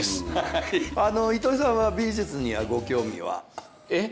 あの糸井さんは美術にはご興味は？え？